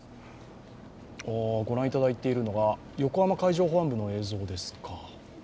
ご覧いただいているのが横浜海上保安部の映像です。